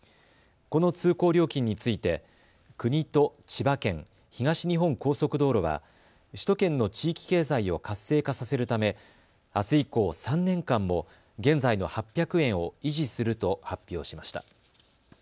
この通行料金について国と千葉県、東日本高速道路は首都圏の地域経済を活性化させるためあす以降、３年間も現在の８００円を維持すると発表しました。